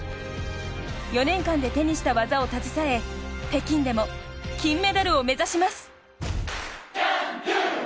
４年間で手にした技を携え北京でも金メダルを目指します。